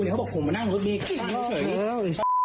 เขาบอกผมมานั่งรถเบียง